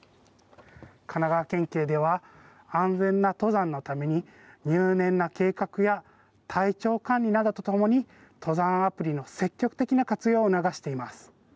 神奈川県警では、安全な登山のために、入念な計画や体調管理などとともに、登山アプリの積極的な活用を促しています。